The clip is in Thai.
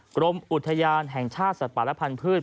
กรมอุทยานแห่งชาติสัตว์ป่าและพันธุ์